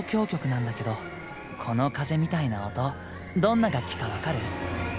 なんだけどこの風みたいな音どんな楽器か分かる？